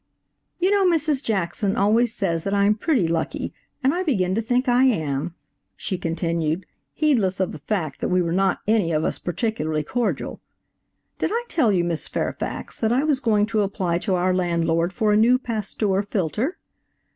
"You know Mrs. Jackson always says that I am pretty lucky, and I begin to think I am," she continued, heedless of the fact that we were not any of us particularly cordial "Did I tell you, Miss Fairfax, that I was going to apply to our landlord for a new Pasteur filter?